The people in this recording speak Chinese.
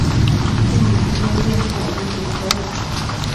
现于一间电视台做解说员。